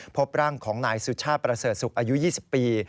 พบร่างของนายสุชาติประเสริฐศุกร์อายุ๒๐ปี